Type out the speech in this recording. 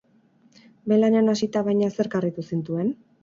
Behin lanean hasita, baina, zerk harritu zintuen?